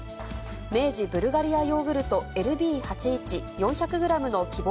明治ブルガリアヨーグルトＬＢ８１、４００ｇの希望